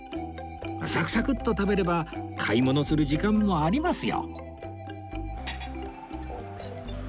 さくさくっと食べれば買い物する時間もありますよ